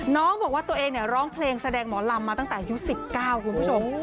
น้องบอกว่าตัวเองร้องเพลงแสดงหมอลำมาตั้งแต่อายุ๑๙คุณผู้ชม